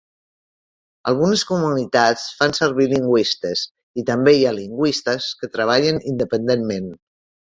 Algunes comunitats fan servir lingüistes, i també hi ha lingüistes que treballen independentment.